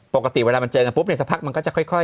ปกติเจอกันนั้นปุ๊บเนี่ยสักพัก